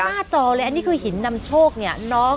หน้าจอเลยอันนี้คือหินนำโชคเนี่ย